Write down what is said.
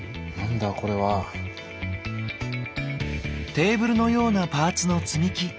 テーブルのようなパーツの積み木。